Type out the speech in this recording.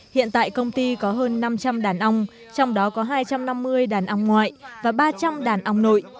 hiện tại công ty có hơn năm trăm linh đàn ong trong đó có hai trăm năm mươi đàn ong ngoại và ba trăm linh đàn ong nội